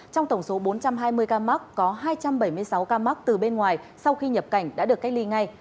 trong tổng số bốn trăm hai mươi ca mắc có hai trăm bảy mươi sáu ca mắc từ bên ngoài sau khi nhập cảnh đã được cách ly ngay